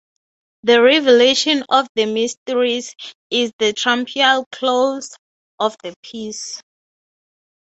The revelation of the mysteries is the triumphal close of the piece.